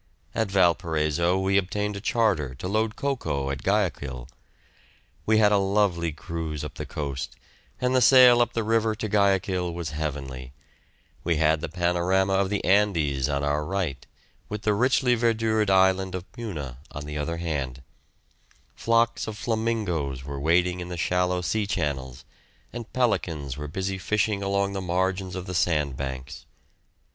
At Valparaiso we obtained a charter to load cocoa at Guayaquil. We had a lovely cruise up the coast, and the sail up the river to Guayaquil was heavenly; we had the panorama of the Andes on our right, with the richly verdured island of Puna on the other hand; flocks of flamingoes were wading in the shallow sea channels, and pelicans were busy fishing along the margins of the sandbanks.